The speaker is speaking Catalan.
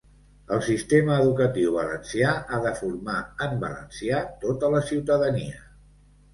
El sistema educatiu valencià ha de formar en valencià tota la ciutadania.